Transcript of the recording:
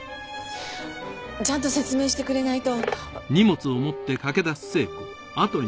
ちゃんと説明してくれないと。